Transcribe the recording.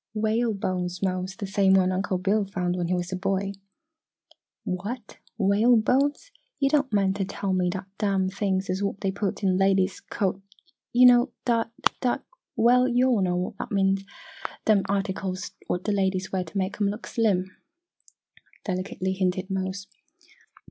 "Whale bones, Mose the same one Uncle Bill found when he was a boy." "What! Whalebones! Yo' don' mean t' tell me dat dem things is what dey puts in ladies co yo' know, dat dat well, yo' all knows what Ah means! Dem articles what d' ladies wear t' mek 'em look slim," delicately hinted Mose.